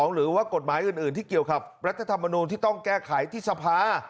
หรือว่ากฎหมายอื่นที่เกี่ยวกับรัฐธรรมนูลที่ต้องแก้ไขที่สภา